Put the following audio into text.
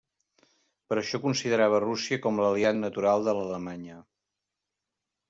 Per això considerava Rússia com l'aliat natural de l'Alemanya.